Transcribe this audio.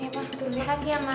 iya pak terima kasih ya mas